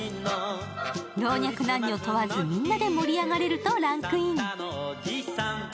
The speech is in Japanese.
老若男女問わずみんなで盛り上がれるとランクイン。